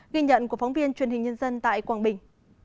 ghi nhận của phóng viên truyền hình nhân dân tại quảng bình